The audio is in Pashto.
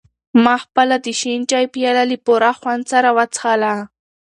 ما خپله د شین چای پیاله له پوره خوند سره وڅښله.